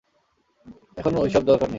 এখন ওইসব দরকার নেই।